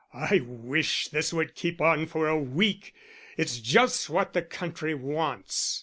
"I wish this would keep on for a week; it's just what the country wants."